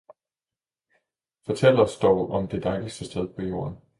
Fortæl os dog om det dejligste sted på jorden!